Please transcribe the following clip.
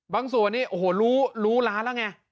บางส่วนนี้โอ้โหรู้ล้าล่ะไง